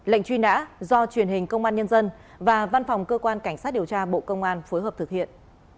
lệnh truy nã do truyền hình công an nhân dân và văn phòng cơ quan cảnh sát điều tra bộ công an phối hợp thực hiện